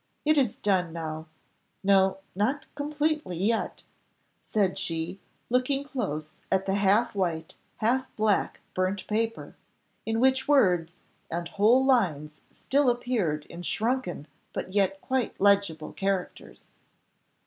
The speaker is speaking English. It is done now no, not completely yet," said she, looking close at the half white, half black burnt paper, in which words, and whole lines still appeared in shrunken but yet quite legible characters.